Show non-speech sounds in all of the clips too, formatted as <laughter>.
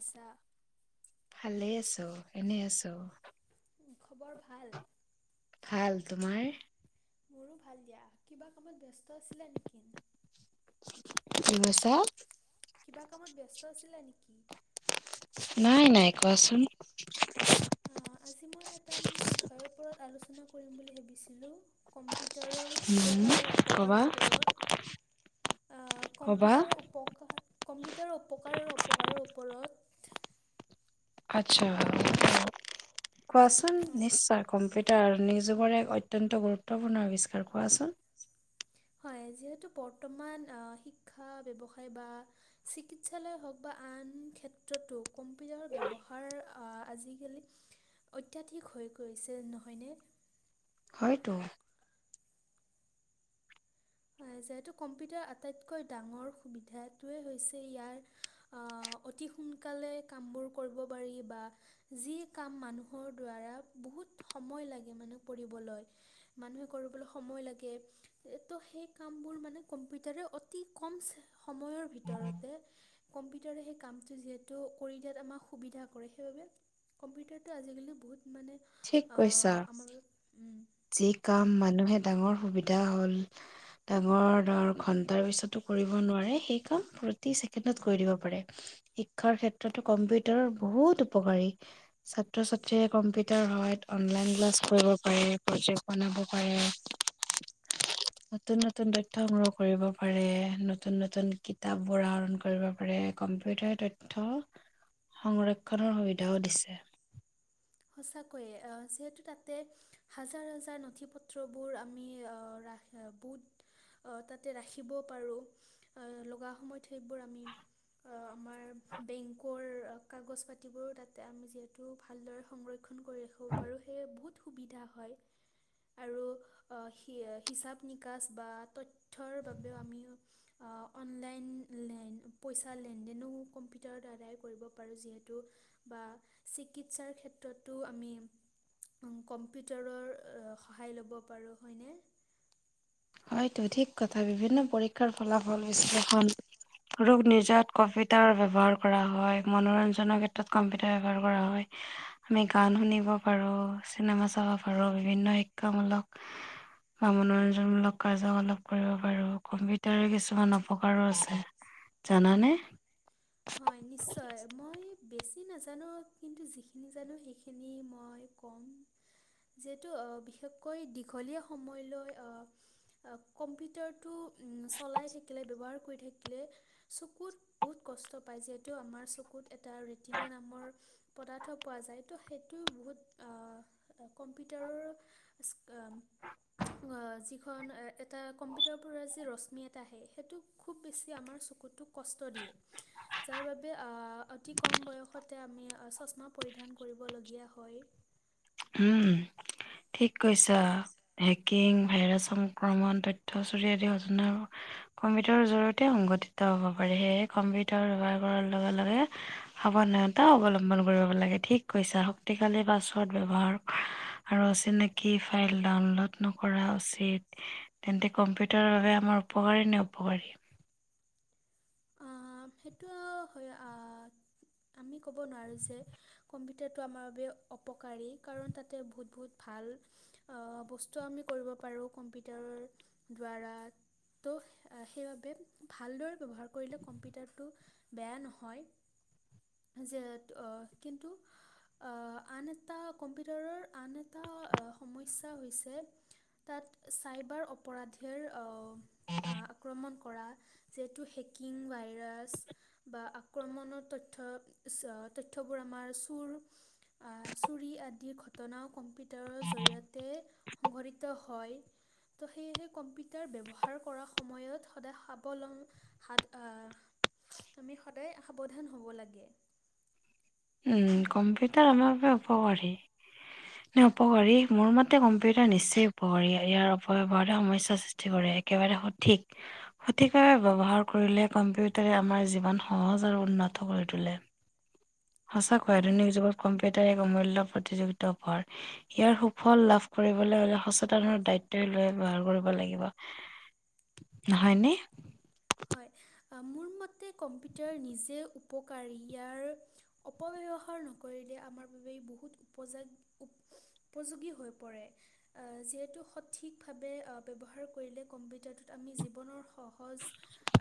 আছা ভালে আছো এনেই আছো। খবৰ ভাল। ভাল, তোমাৰ? মোৰো ভাল দিয়া, কিবা কামত ব্যস্ত আছিলা নেকি? কি কৈছা? কিবা কামত ব্যস্ত আছিলে নেকি? নাই নাই কোৱাচোন? <inaudible> অ আজি মই এটা মানে বিষয়ৰ আলোচনা কৰিম বুলি ভাবিছিলো। কম্পিউটাৰৰ উম উপকাৰ আৰু কবা অপকাৰৰ ওপৰত ক'বা কম্পিউটাৰৰ উপকাৰ কম্পিউটাৰৰ উপকাৰ আৰু অপকাৰৰ ওপৰত আচ্ছা কোৱাচোন অ, নিশ্চয়। কম্পিউটাৰ নিজ যুগৰে এক অত্যন্ত গুৰুত্বপূৰ্ণ আৱিষ্কাৰ কোৱাচোন? হয় যিহেতু বৰ্তমান আহ শিক্ষা ব্যৱসায় বা চিকিৎসালয় হওক বা আন ক্ষেত্ৰতো কম্পিউটাৰৰ ব্যৱহাৰ আজিকালি অত্যাধিক হৈ গৈছে নহয়নে। হয়তো। যিহেতু কম্পিউটাৰ আটাইতকৈ ডাঙৰ সুবিধাটোৱেই হৈছে ইয়াৰ আহ অতি সোনকালে কামবোৰ কৰিব পাৰি বা যি কাম মানুহৰ দ্বাৰা বহুত সময় লাগে মানে কৰিবলৈ। মানুহে কৰিবলৈ সময় লাগে। <unintelligible> ত' সেই কামবোৰ মানে কম্পিউটাৰে অতি কম সময়ৰ ভিতৰতে কম্পিউটাৰে সেই কামটো যিহেতু কৰি দিয়াত আমাক সুবিধা কৰে সেইবাবে কম্পিউটাৰটো আজিকালি বহুত মানে ঠিক কৈছা অ' আমাৰ <unintelligible> উম। যি কাম মানুহে ডাঙৰ সুবিধা হ'ল। ডাঙৰ ধৰ ঘণ্টাৰ পিছতো কৰিব নোৱাৰে সেই কাম প্ৰতি ছেকেণ্ডত কৰি দিব পাৰে। শিক্ষাৰ ক্ষেত্ৰতো কম্পিউটাৰ বহুত উপকাৰী। ছাত্ৰ ছাত্ৰীয়ে কম্পিউটাৰ সহায়ত অনলাইন ক্লাছ কৰিব পাৰে। প্ৰজেক্ট বনাব পাৰে। <inaudible> নতুন নতুন তথ্য সংগ্ৰহ কৰিব পাৰে, নতুন নতুন কিতাপ বোৰ আহৰণ কৰিব পাৰে কম্পিউটাৰে তথ্য, সংৰক্ষণৰ সুবিধাও দিছে। সঁচাকৈয়ে অ' যিহেতু তাতে হাজাৰ হাজাৰ নথি পত্ৰবোৰ আমি আহ, ৰাখ বুট আহ, তাতে ৰাখিব পাৰো, অ' লগা সময়ত সেইবোৰ আমি অ' আমাৰ বেংকৰ কাগজ পাতিবোৰো তাতে আমি যিহেতু ভালদৰে সংৰক্ষণ কৰি ৰাখিব পাৰোঁ সেয়ে বহুত সুবিধা হয়। আৰু অ' হি- হিচাপ নিকাচ বা তথ্যৰ বাবেও আমি অ' অনলাইন লেন- পইচাৰ লেনদেনো কম্পিউটাৰৰ দ্বাৰাই কৰিব পাৰো যিহেতু বা চিকিৎসাৰ ক্ষেত <inaudible> আমি কম্পিউটাৰৰ সহায় ল'ব পাৰোঁ হয়নে? হয়টো থিক কথা বিভিন্ন পৰীক্ষাৰ ফলাফল বিশ্লেষণ ৰোগ নিজাত কম্পিউটাৰ ব্যৱহাৰ কৰা হয়, মনোৰঞ্জনৰ ক্ষেত্ৰত কম্পিউটাৰ ব্যৱহাৰ কৰা হয়। আমি গান শুনিব পাৰোঁ, চিনেমা চাব পাৰোঁ, বিভিন্ন শিক্ষামূলক বা মনোৰঞ্জন মূলক কাৰ্যকলাপ কৰিব পাৰোঁ, কম্পিউটাৰ কিছুমান অপকাৰো আছে। জানানে? হয় নিচ <inaudible> মই বেছি নাজানো কিন্তু যিখিনি জানো সেইখিনি মই ক'ম। যিহেতু অ' বিশেষকৈ দীঘলীয়া সময়লৈ অ' অ' কম্পিউটাৰটো উম, চলাই থাকিলে, ব্যৱহাৰ কৰি থাকিলে, চকুত বহুত কষ্ট পায় যিহেতু আমাৰ চকুত এটা ৰে'টীনা নামৰ পদাৰ্থ পোৱা যায় ত' সেইটো বহুত অ' কম্পিউটাৰৰ <unintelligible> অ' যিখন এটা কম্পিউটাৰ পৰা যি ৰশ্মি এটা আহে সেইটোক খুব বেছি আমাৰ চকুটোক কষ্ট দিয়ে। যাৰ বাবে অ' অতি কম বয়সতে আমি চশমা পৰিধান কৰিবলগীয়া হয়। উম, ঠিক কৈছা। হেকিং, ভাইৰাছ সংক্ৰমণ, তথ্য চৰি আদি <unintelligible> কম্পিউটাৰৰ জৰিয়তে সংঘটিত হ'ব পাৰে, সেয়েহে কম্পিউটাৰ ব্যৱহাৰ কৰাৰ লগে লগে সাৱধানতা অৱলম্বন কৰিব লাগে ঠিক কৈছা শক্তিশালী পাছৱৰ্ড ব্যৱহাৰ আৰু অচিনাকি ফাইল ডাউনলোড নকৰা উচিত। তেন্তে কম্পিউটাৰৰ বাবে আমাৰ উপকাৰী নে অপকাৰী? অ' সেইটো হয় অ, আমি ক'ব নোৱাৰোঁ যে। কম্পিউটাৰটো আমাৰ বাবে অপকাৰী কাৰণ তাতে বহুত, বহুত ভাল বস্তু আমি কৰিব পাৰোঁ কম্পিউটাৰৰ দ্বাৰা। ত' সেইবাবে ভালদৰে ব্যৱহাৰ কৰিলে কম্পিউটাৰটো বেয়া নহয় যে <unintelligible> যে কিন্তু আহ আন এটা কম্পিউটাৰৰ আন এটা সমস্যা হৈছে। তাত চাইবাৰ অপৰাধীৰ আক্ৰমণ কৰা যিহেতু হেকিং, ভাইৰাছ বা আক্ৰমণৰ তথ্য তথ্যবোৰ আমাৰ চুৰ আহ চুৰি আদিৰ ঘটনাও কম্পিউটাৰৰ জৰিয়তে সংগটিত হয়। ত' সেয়েহে কম্পিউটাৰ ব্যৱহাৰ কৰাৰ সময়ত সদায় সাৱল হাত, আমি সদায় সাৱধান হ'ব লাগে। উ কম্পিউটাৰ আমাৰ বাবে উপকাৰী। ন উপকাৰী মোৰ মতে কম্পিউটাৰ নিশ্চয় উপকাৰী ইয়াৰ অপব্যয়হাৰে সমস্যা বিধ <unintelligible> কৰে একেবাৰে সঠিক। সঠিকভাৱে ব্যৱহাৰ কৰিলে কম্পিউটাৰে আমাৰ জীৱন সহজ আৰু উন্নতত কৰি তোলে। সঁচাকৈ অঁ, আধুনিক যুগত কম্পিউটাৰ এক অমূল্য প্ৰতিযোগিতা ভৰ। ইয়াৰ সুফল লাভ কৰিবলৈ হ'লে লে সচেতন দায়িত্বই লৈ ব্যৱহাৰ কৰিব লাগিব। নহয়নে? হয়, মোৰ মতে কম্পিউটাৰ নিজে উপকাৰী ইয়াৰ অপব্যৱহাৰ নকৰিলে আমাৰ বাবে বহুত উপজাতি উপযোগী হৈ পৰে। যিহেতু সঠিকভাৱে ব্যৱহাৰ কৰিলে কম্পিউটাৰটোত আমি জীৱনৰ সহজ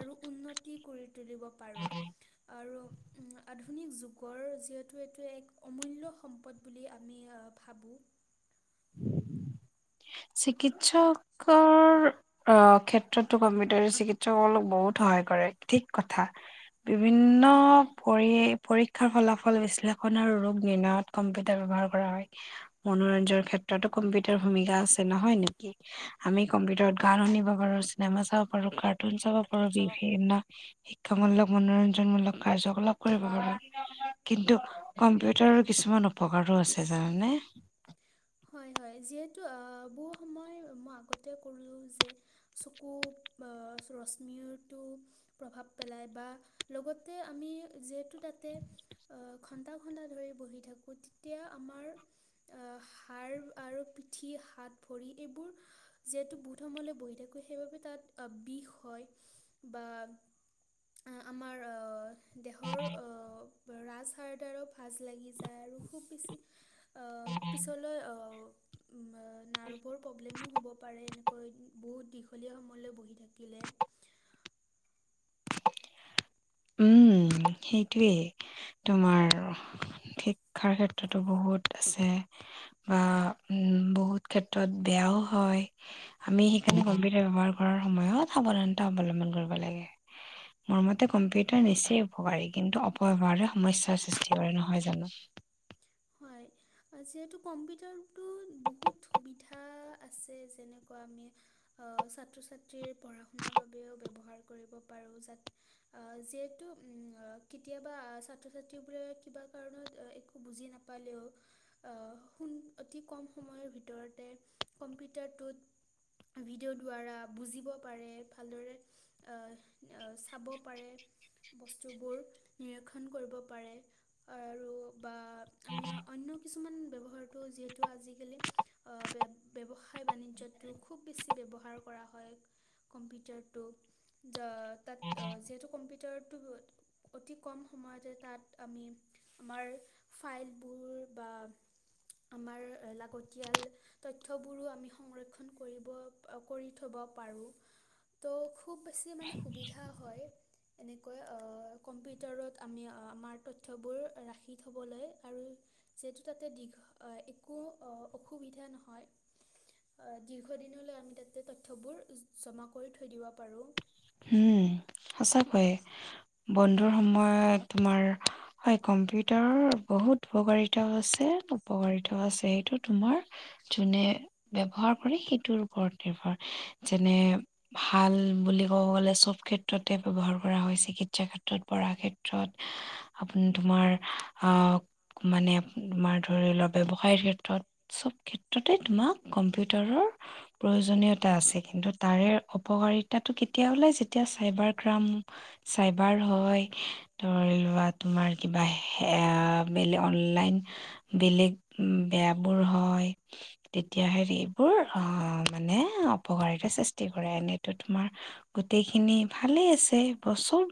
আৰু উন্নতি তুলিব পাৰোঁ। আধুনিক যুগৰ যিহেতু এইটো এক অমূল্য সম্পদ বুলি আমি ভাবোঁ। <unintelligible> চিকিৎসকৰ আহ' ক্ষেত্ৰতো কম্পিউটাৰ চিকিৎসকসকলক বহুত সহায় কৰে ঠিক কথা। বিভিন্ন প পৰীক্ষাৰ ফলাফল বিশ্লেষণ আৰু ৰোগ নিৰ্ণয় কৰা। কম্পিউটাৰ ব্যৱহাৰ কৰা হয় মনোৰঞ্জনৰ ক্ষেত্ৰতো কম্পিউটাৰ ভূমিকা আছে নহয় নেকি। আমি কম্পিউটাৰত গান শুনিব পাৰোঁ, চিনেমা চাব পাৰো কাৰ্টুন চাব পাৰোঁ ভাবোঁ বিভিন্ন শিক্ষামূলক মনোৰঞ্জনমূলক কাৰ্যকলাপ কৰিব পাৰো, কিন্তু কম্পিউটাৰৰ কিছুমান অপকাৰো আছে জানানে। হয়, হয় যিহেতু বহু সময় মই আগতে কলো যে চকু ৰশ্মিৰটো প্ৰভাৱ পেলাই বা লগতে আমি যিহেতু তাতে আহ, ঘন্টা, ঘন্টা ধৰি বহি থাকো। তেতিয়া আমাৰ আহ হাড় আৰু পিঠি হাত ভৰি এইবোৰ যিহেতু বহত সময়লৈকে বহি থাকোঁ, সেইবাবে তাত বিষ হয় বা আহ, আমাৰ আহ দেহৰ ৰাজহাড়ৰ দাৰো ভাজ লাগি যায় আৰু খুব বেছি আহ পিছলৈ নাৰ্ভৰ প্ৰব্লেমো হ'ব পাৰে, এনেকৈ বহুত দীঘলীয়া সময়লৈ বহি থাকিলে। উম, সেইটোৱেই। তোমাৰ শিক্ষাৰ ক্ষেত্ৰতো বহুত আছে। বা উম বহুত ক্ষেত্ৰত বেয়াও হয়। আমি সেইকাৰণে কম্পিউটাৰ ব্যৱহাৰ কৰাৰ সময়ত সাৱধানতা অৱলম্বন কৰিব লাগে। মোৰ মতে কম্পিউট টাৰ নিশ্চয় উপকাৰী কিন্তু অপব্যয়হাৰে সমস্যাৰ সৃষ্টি কৰে নহয় জানোঁ? হয় যিহেতু কম্পিউটাৰতো বহুত সুবিধা আছে। যেনেকুৱা আমি আহ' ছাত্ৰ ছাত্ৰীৰ পঢ়া শুনাৰ বাবেও ব্যৱহাৰ কৰিব পাৰো যাত যিহেতু উম' কেতিয়াবা ছাত্ৰ ছাত্ৰী বোৰে কিবা কাৰণত একো বুজি নাপ পালেও। আহ' সোন, অতি কম সময়ৰ ভিতৰতে কম্পিউটাৰটোত ভিডিঅ' দ্বাৰা বুজিব পাৰে ভালদৰে। আহ' আহ' চাব পাৰে। বস্তুবোৰ নিৰীক্ষণ কৰিব পাৰে। আৰু বা আমিও অন্য কিছুমান ব্যৱহাৰটো যিহেতু আজিকালি অ', ব্য-ব্যৱসায়-বাণিজ্যতো খুব বেছি ব্যৱহাৰ কৰা হয়। কম্পিউটাৰটো য- তাত যিহেতু কম্পিউটাৰটো অতি কম সময়তে তাত আমি, আমাৰ ফাইলবোৰ বা আমাৰ লাগতিয়াল তথ্যবোৰো আমি সংৰক্ষণ কৰিব কৰি থ'ব পাৰোঁ। ত' খুব বেছি মানে সুবিধা হয়। এনেকৈ অহ কম্পিউটাৰত আমি আমাৰ তথ্যবোৰ ৰাখি থ'বলৈ আৰু যিহেতু তাতে দীঘ-একো অহ অসুবিধা নহয়। অ', দীৰ্ঘ দিনলৈ আমি তাতে তথ্যবোৰ জমা কৰি থৈ দিব পাৰো। উম সঁচাকৈয়ে, বন্ধুৰ সময়ত তোমাৰ হয় কম্পিউটাৰৰ বহুত উপকাৰিতাও আছে, অপকাৰিতাও আছে সেইটো তোমাৰ যোনে ব্যৱহাৰ কৰে, সেইটোৰ ওপৰত নিৰ্ভৰ, যেনে ভাল বুলি ক'ব গ'লে সব ক্ষেত্ৰতে ব্যৱহাৰ কৰা হয় চিকিৎসা ক্ষেত্ৰত, পঢ়া ক্ষেত্ৰত। আপুনি তোমাৰ আহ মানে তোমাৰ ধৰি লোৱা ব্যৱসায়ৰ ক্ষেত্ৰত। সব ক্ষেত্ৰতে তোমাৰ কম্পিউটাৰৰ প্ৰয়োজনীয়তা আছে। কিন্তু তাৰে অপকাৰিতাটো কেত কেতিয়া ওলায় যেতিয়া চাইবাৰ ক্ৰাইম, চাইবাৰ হয় ধৰি লোৱা, তোমাৰ কিবা সেয়া বেলে অনলাইন বেলেগ বেয়াবোৰ হয় তেতিয়াহে এইবোৰ আহ মানে অপকাৰিতা সৃষ্টি কৰে, এনেতো তোমাৰ গোটেইখিনি ভালে আছে। সব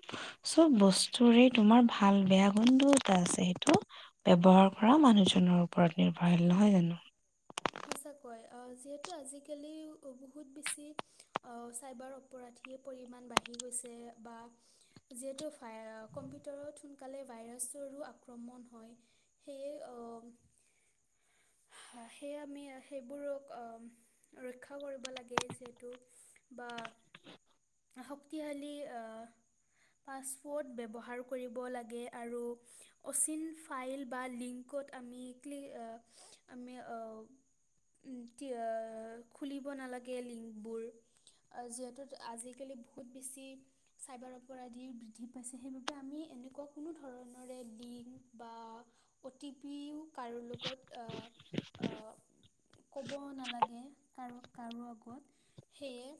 সব বস্তুৰে তোমাৰ ভাল, বেয়া গুণ দুয়োটা আছে, সেইটো ব্যৱহাৰ কৰা মানুহজনৰ ওপৰত নিৰ্ভৰশীল নহয় জানো? সঁচাকৈ, অহ যিহেতু আজিকালি বহুত বেছি অহ চাইবাৰ অপ অপৰাধীৰ পৰিমাণ বাঢ়ি গৈছে বা যিহেতু ভাই কম্পিউটাৰত সোনকালে ভাইৰাছৰো আক্ৰমণ হয়। সেয়ে অহ সেয়ে আমি সেইবোৰক অহ ৰক্ষা কৰিব লাগে যিহেতু বা শক্তিশালী আহ পাছৱ'ৰ্ড ব্যৱহাৰ কৰিব লাগে আৰু অচিন ফাইল বা লিংকত আমি ক্লিক অ' আমি অহ-টি-অ', খুলিব নালাগে লিংকবোৰ। যিহেতু আজিকালি বহুত বেছি চাইবাৰ অপৰাধী বৃদ্ধি পাইছে, সেইবাবে আমি এনেকুৱা কোনো ধৰণৰে লিংক বা অ' টি পিও কাৰো লগত অ', অ' ক'বও নালাগে কাৰো কাৰো আগত। সেয়ে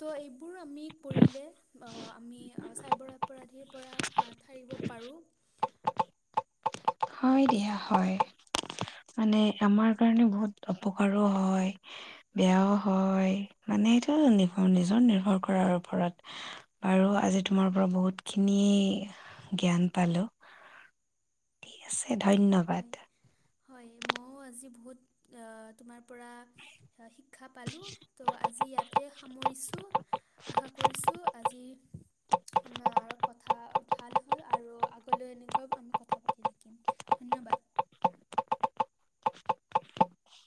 ত' এইবোৰ আমি কৰিলে, আমি চাইবাৰ অপৰাধীৰ পৰা হাত সাৰিব পাৰোঁ। হয় দিয়া, হয়। মানে আমাৰ কাৰণে বহুত অপকাৰো হয়। বেয়াও হয়, মানে এইটো নিৰ্ভৰ নিজৰ নিৰ্ভৰ কৰাৰ ওপৰত। আৰু আজি তোমাৰ পৰা বহুতখিনি জ্ঞান পালোঁ। ঠিক আছে, ধন্যবাদ। হয় হয়। ময়ো আজি বহুত, অ', তোমাৰ পৰা শিক্ষা পালো। ত' আজি ইয়াতে সামৰিছো। আশা কৰিছোঁ আজি আমাৰ কথা ভাল হ'ল আৰু আগলৈও এনেকৈ আমি কথা পাতি থাকিম। ধন্যবাদ।